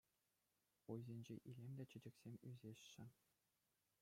Уйсенче илемлӗ чечексем ӳсеҫҫӗ.